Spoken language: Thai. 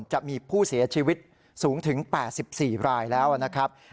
จะมีผู้เสียชีวิตสูงถึง๘๔รายแล้วนะครับ